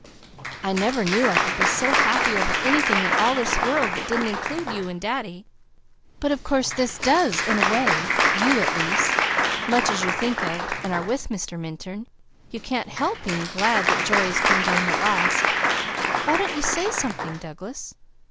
"I never knew I could be so happy over anything in all this world that didn't include you and Daddy. But of course this does in a way; you, at least. Much as you think of, and are with, Mr. Minturn, you can't help being glad that joy has come to him at last. Why don't you say something, Douglas?"